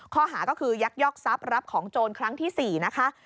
ข้อหาก็คือยักยอกทรัพย์รับของโจรครั้งที่๔นะคะ